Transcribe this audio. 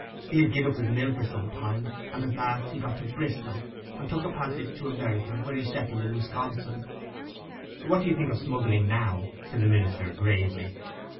He had gied up his mill for some time; and at last he got to Bristol, and took a passage to America, and he's settled in Wisconsin.' 'What do you think of smuggling now?' said the minister gravely.